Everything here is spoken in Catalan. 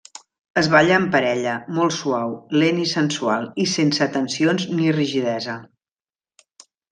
Es balla amb parella, molt suau, lent i sensual, i sense tensions ni rigidesa.